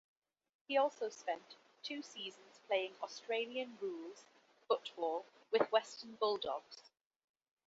He also spent two seasons playing Australian rules football with Western Bulldogs.